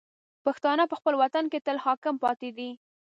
پښتانه په خپل وطن کې تل حاکم پاتې دي.